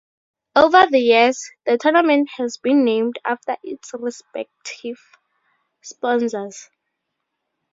Over the years, the tournament has been named after its respective sponsors.